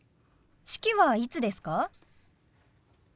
式はいつですか？